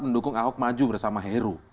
mendukung ahok maju bersama heru